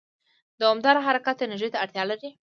دوامداره حرکت انرژي ته اړتیا لري.